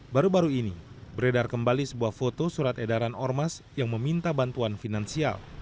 baru baru ini beredar kembali sebuah foto surat edaran ormas yang meminta bantuan finansial